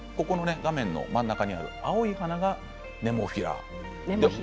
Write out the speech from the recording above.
画面真ん中にある青い花がネモフィラ。